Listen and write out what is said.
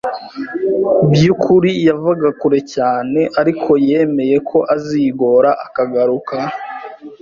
by’ukuri yavaga kure cyane ariko yemeye ko azigora akagaruka.